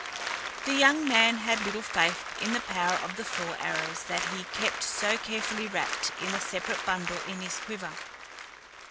The young man had little faith in the power of the four arrows that he kept so carefully wrapped in a separate bundle in his quiver.